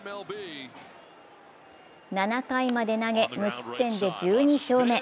７回まで投げ、無失点で１２勝目。